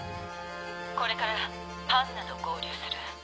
これからパンナと合流する。